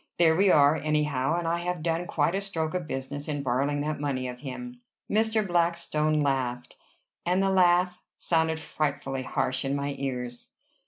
There we are, anyhow; and I have done quite a stroke of business in borrowing that money of him." Mr. Blackstone laughed, and the laugh sounded frightfully harsh in my ears.